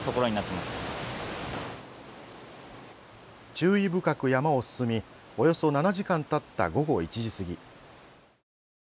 注意深く山を進みおよそ７時間たった午後１時過ぎ。